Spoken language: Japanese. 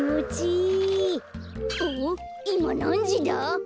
いまなんじだ？